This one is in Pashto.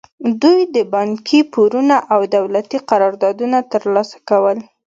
دوی د بانکي پورونه او دولتي قراردادونه ترلاسه کول.